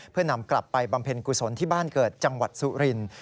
เพื่อนำกลับไปบำเพ็ญกุศลที่บ้านเกิดจังหวัดสุรินทร์